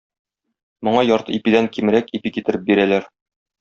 Моңа ярты ипидән кимрәк ипи китереп бирәләр.